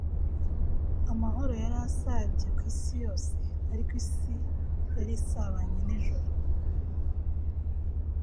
Amahoro yari asabye ku isi yose, ariko isi yari isabanye n'ijuru.